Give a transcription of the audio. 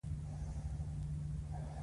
پلی یا ممپلی په ننګرهار کې کیږي.